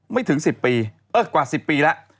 ไม่ถึง๑๐ปีเออกว่า๑๐ปีแล้ว